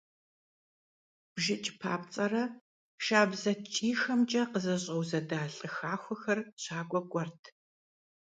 БжыкӀ папцӀэрэ шабзэ ткӀийхэмкӀэ къызэщӀэузэда лӀы хахуэхэр щакӀуэ кӀуэрт.